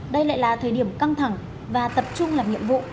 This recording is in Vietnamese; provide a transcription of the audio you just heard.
đây lại là thời điểm căng thẳng và tập trung làm nhiệm vụ